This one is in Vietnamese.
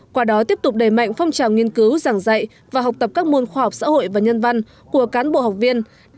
qua đó tiếp tục đẩy mạnh phong trào nghiên cứu giảng dạy và học tập các môn khoa học xã hội và nhân văn của cán bộ học viên